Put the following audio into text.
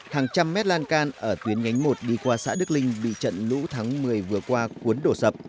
hàng trăm mét lan can ở tuyến nhánh một đi qua xã đức linh bị trận lũ tháng một mươi vừa qua cuốn đổ sập